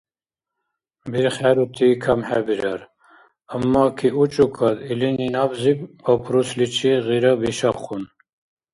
БирххӀерути камхӀебирар, аммаки учӀукад илини набзиб папрусличи гъира бишахъун.